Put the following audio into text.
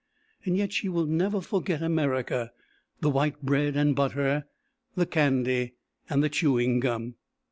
Yet she will never forget America, the white bread and butter, the candy and the chewing gum.